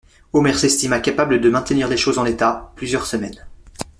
Omer s'estima capable de maintenir les choses en l'état, plusieurs semaines.